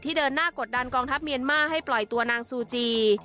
เดินหน้ากดดันกองทัพเมียนมาร์ให้ปล่อยตัวนางซูจี